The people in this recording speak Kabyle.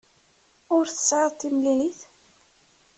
Ur tesɛiḍ timlilit?